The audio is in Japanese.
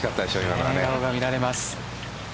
笑顔が見られます。